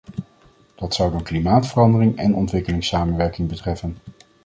Dat zou dan klimaatverandering en ontwikkelingssamenwerking betreffen.